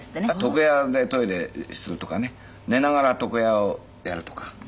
床屋でトイレするとかね寝ながら床屋をやるとか。